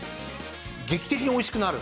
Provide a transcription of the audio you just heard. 劇的においしくなる？